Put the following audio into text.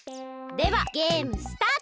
ではゲームスタート！